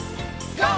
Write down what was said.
ＧＯ！